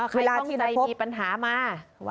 ใครต้องใจมีปัญหามา